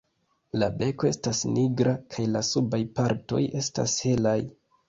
La beko estas nigra kaj la subaj partoj estas helaj.